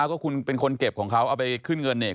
ก็คุณเป็นคนเก็บของเขาเอาไปขึ้นเงินเนี่ย